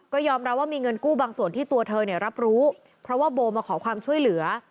ก็ยอมรับว่ามีเงินกู้บางส่วนที่ตัวเธอเนี่ยรับรู้เพราะว่าโบมาขอความช่วยเหลือ